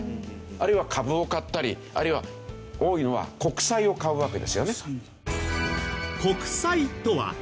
あるいは株を買ったりあるいは多いのは国債を買うわけですよね。